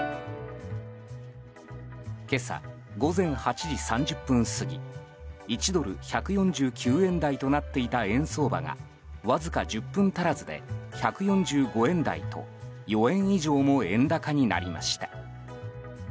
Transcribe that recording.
今朝午前８時３０分過ぎ１ドル＝１４９円台となっていた円相場が、わずか１０分足らずで１４５円台と４円以上も円高になりました。